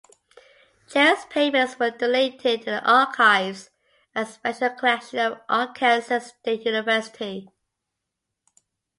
Cherry's papers were donated to the Archives and Special Collections of Arkansas State University.